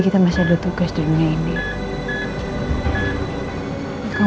aku berangkat waktu berkurung regime ahor itu